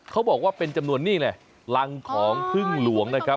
เขาบอกว่าเป็นจำนวนนี่แหละรังของพึ่งหลวงนะครับ